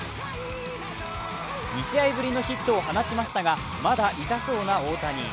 ２試合ぶりのヒットを放ちましたがまだ痛そうな大谷。